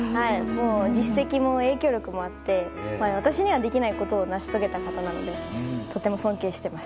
実績も影響力もあって私にはできないことを成し遂げた方なのでとても尊敬しています。